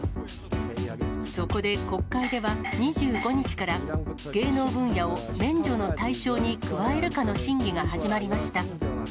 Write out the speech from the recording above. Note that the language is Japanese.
そこで国会では、２５日から、芸能分野を免除の対象に加えるかの審議が始まりました。